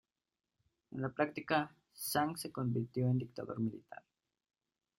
En la práctica, Zhang se convirtió en dictador militar.